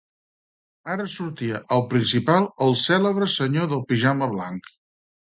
Ara sortia, al principal, el cèlebre senyor del pijama blanc.